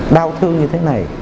đau thương như thế này